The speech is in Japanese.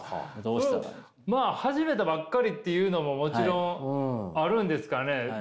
まあ始めたばっかりっていうのももちろんあるんですかね。